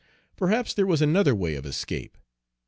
Perhaps there was another way of escape.